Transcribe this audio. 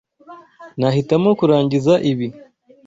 Nahitamo kurangiza ibi.